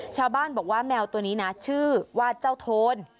ชาวบ้านบอกว่าแมวตัวนี้นะชื่อว่าเจ้าโทน